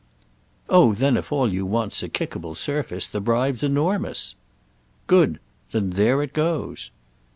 "Oh then if all you want's a kickable surface the bribe's enormous." "Good. Then there it goes!"